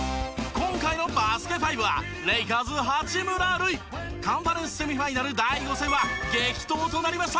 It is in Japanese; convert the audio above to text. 今回の『バスケ☆ＦＩＶＥ』はレイカーズ八村塁。カンファレンスセミファイナル第５戦は激闘となりました。